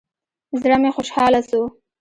زړه مې خوشاله سو.